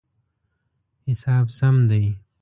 حساب سم دی